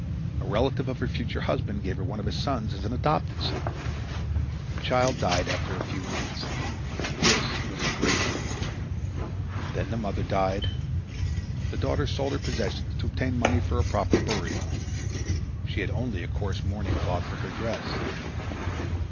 A relative of her future husband gave her one of his sons as an adopted son. The child died after a few months. This was a great grief. Then the mother died. The daughter sold her possessions to obtain money for a proper burial. She had only a coarse mourning cloth for her dress.